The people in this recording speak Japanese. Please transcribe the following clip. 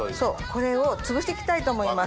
これをつぶしていきたいと思います。